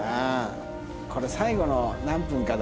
これ最後の何分かだな。